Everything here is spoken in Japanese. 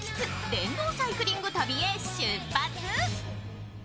電動サイクリング旅へ出発。